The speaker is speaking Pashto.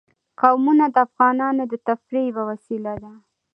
قومونه د افغانانو د تفریح یوه وسیله ده.